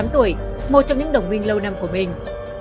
tám tuổi một trong những đồng minh lâu năm của mình